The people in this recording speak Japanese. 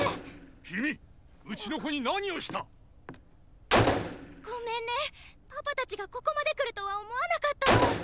君うちの子に何をした⁉ごめんねパパたちがここまで来るとは思わなかったの。